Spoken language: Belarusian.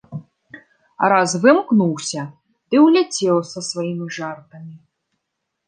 А раз вымкнуўся ды і ўляцеў са сваімі жартамі.